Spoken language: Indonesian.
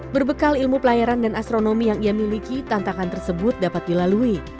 berbekal ilmu pelayaran dan astronomi yang ia miliki tantangan tersebut dapat dilalui